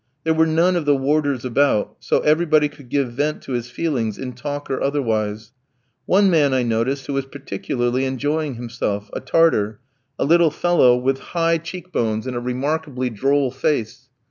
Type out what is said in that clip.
There were none of the warders about; so everybody could give vent to his feelings in talk or otherwise. One man I noticed who was particularly enjoying himself, a Tartar, a little fellow with high cheek bones, and a remarkably droll face.